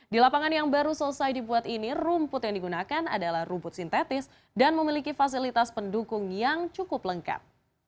di lapangan yang baru selesai dibuat ini rumput yang digunakan adalah rumput sintetis dan memiliki fasilitas pendukung yang cukup lengkap